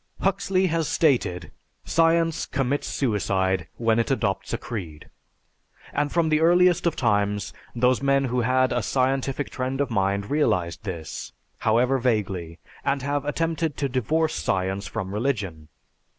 Huxley has stated, "Science commits suicide when it adopts a creed," and from the earliest of times those men who had a scientific trend of mind realized this, however vaguely, and have attempted to divorce science from religion.